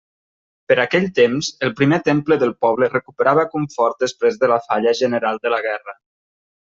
Per aquell temps el primer temple del poble recuperava confort després de la falla general de la guerra.